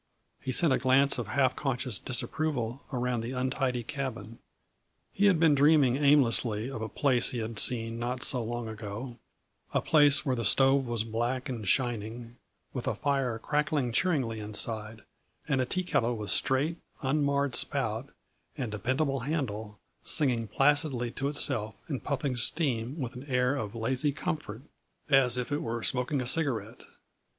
He sent a glance of half conscious disapproval around the untidy cabin. He had been dreaming aimlessly of a place he had seen not so long ago; a place where the stove was black and shining, with a fire crackling cheeringly inside and a teakettle with straight, unmarred spout and dependable handle singing placidly to itself and puffing steam with an air of lazy comfort, as if it were smoking a cigarette.